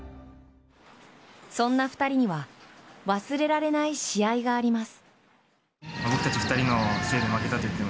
そんな２人には忘れられない試合があります。